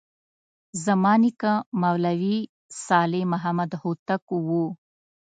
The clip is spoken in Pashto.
زما نیکه مولوي صالح محمد هوتک و.